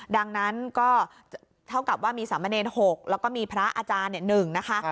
ดังนั้นก็เท่ากับว่ามีสามเณร๖แล้วก็มีพระอาจารย์๑นะคะ